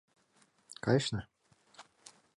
Кайышна?